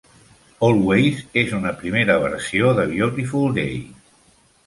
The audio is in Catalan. "Always" és una primera versió de "Beautiful Day".